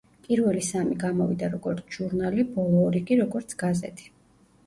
პირველი სამი გამოვიდა როგორც ჟურნალი, ბოლო ორი კი როგორც გაზეთი.